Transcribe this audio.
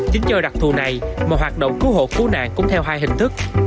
chính do đặc thù này mà hoạt động cứu hộ cứu nạn cũng theo hai hình thức